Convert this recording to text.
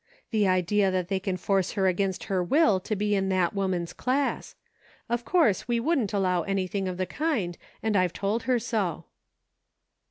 The idea that they can force her against her will to be in that woman's class ! Of course we wouldn't allow anything of the kind, and I've told her so."